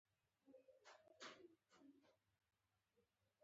ما ډېر بد احساس وکړ او د خپلې ډلګۍ خواته لاړم